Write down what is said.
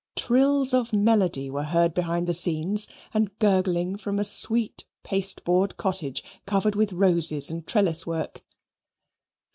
Trills of melody were heard behind the scenes, and gurgling from a sweet pasteboard cottage covered with roses and trellis work.